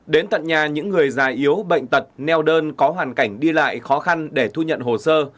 đến tận nhà những người già yếu bệnh tật neo đơn có hoàn cảnh đi lại khó khăn để thu nhận hồ sơ